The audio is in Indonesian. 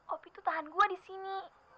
opi tuh tahan gue disini